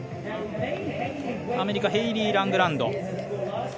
アメリカ、ヘイリー・ラングランド。